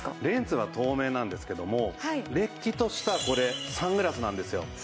レンズは透明なんですけどもれっきとしたこれサングラスなんですよ。